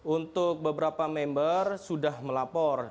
untuk beberapa member sudah melapor